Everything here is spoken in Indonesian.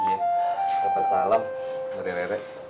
iya tetep salam sama rere